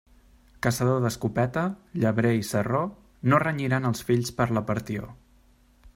Caçador d'escopeta, llebrer i sarró, no renyiran els fills per la partió.